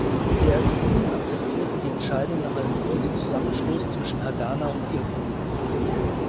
Der Irgun akzeptierte die Entscheidung nach einem kurzen Zusammenstoß zwischen Hagana und Irgun.